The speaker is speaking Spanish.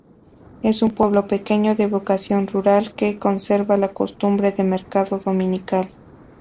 Es un pueblo pequeño, de vocación rural, que conserva la costumbre del mercado dominical.